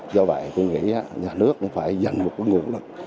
do vậy tôi nghĩ nhà nước cũng phải dành một cái nguồn